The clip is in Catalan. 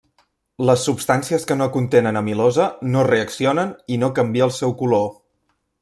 Les substàncies que no contenen amilosa no reaccionen i no canvia el seu color.